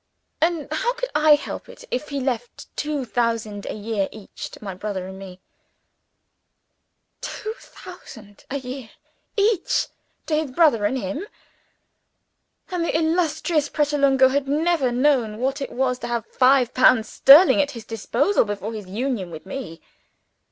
And how could I help it if he left two thousand a year each to my brother and me?" Two thousand a year each to his brother and him! And the illustrious Pratolungo had never known what it was to have five pounds sterling at his disposal before his union with Me!